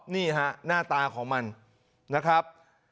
นี่ฮะหน้าตาของมันนะครับ